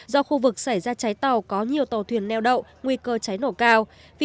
do khu vực xảy ra cháy tàu có nhiều tàu thuyền neo đậu nguy cơ cháy nổ cao